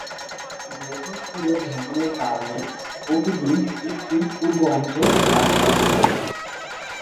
নদীর তীরের ভাঙনের কারণে প্রতিদিন দ্বীপটির পূর্ব অংশ হ্রাস পাচ্ছে।